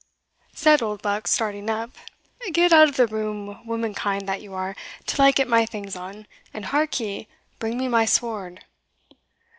said Oldbuck, starting up "get out of the room, womankind that you are, till I get my things on And hark ye, bring me my sword."